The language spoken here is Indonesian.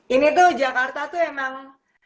ini tuh jakarta tuh emang